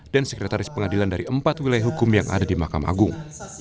dan sekretaris pengadilan dari empat wilayah hukum yang ada di makam agung